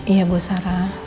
iya bu sarah